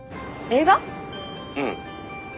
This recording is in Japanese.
うん。